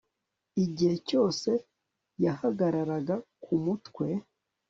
Igihe cyose yahagararaga ku mutwe